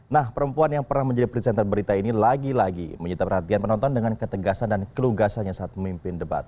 nah perempuan yang pernah menjadi presenter berita ini lagi lagi menyita perhatian penonton dengan ketegasan dan kelugasannya saat memimpin debat